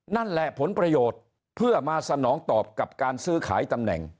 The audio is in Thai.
นั่นแหละผลประโยชน์เพื่อมาสนองตอบกับการซื้อขายตำแหน่ง